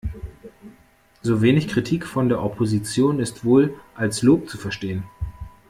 So wenig Kritik von der Opposition ist wohl als Lob zu verstehen.